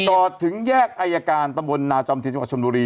ก่อนถึงแยกอายการตะบลนาจอมเทียนจังหวัดชนบุรี